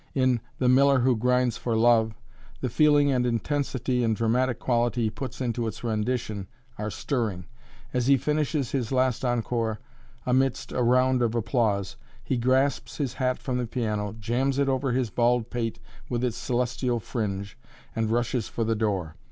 In "The Miller who grinds for Love," the feeling and intensity and dramatic quality he puts into its rendition are stirring. As he finishes his last encore, amidst a round of applause, he grasps his hat from the piano, jams it over his bald pate with its celestial fringe, and rushes for the door.